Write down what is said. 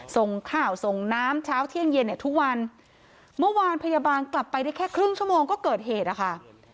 ส่งข่าวส่งน้ำเช้าเที่ยงเย็นเนี่ยทุกวันเมื่อวานพยาบาลกลับไปได้แค่ครึ่งชั่วโมงก็เกิดเหตุนะคะ